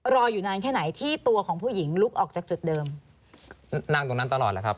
รออยู่นานแค่ไหนที่ตัวของผู้หญิงลุกออกจากจุดเดิมนั่งตรงนั้นตลอดแหละครับ